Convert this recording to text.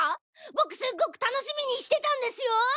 僕すっごく楽しみにしてたんですよ！